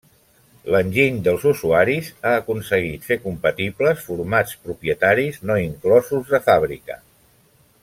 L'enginy dels usuaris ha aconseguit fer compatibles formats propietaris no inclosos de fàbrica.